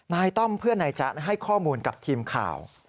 ต้อมเพื่อนนายจ๊ะให้ข้อมูลกับทีมข่าว